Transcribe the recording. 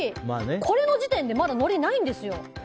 これの時点で、のりないんですよ。